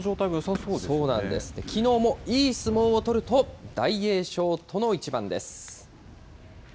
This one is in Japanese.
そうなんです、きのうもいい相撲を取ると、大栄翔との一番です。